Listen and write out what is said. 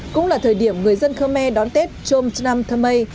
cũng là thời điểm người dân khmer đón tết chôm trâm thơ mây